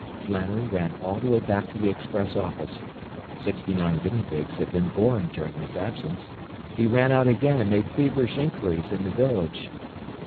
Flannery ran all the way back to the express office. Sixty nine guinea pigs had been born during his absence. He ran out again and made feverish inquiries in the village.